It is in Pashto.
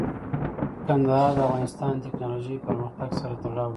کندهار د افغانستان د تکنالوژۍ پرمختګ سره تړاو لري.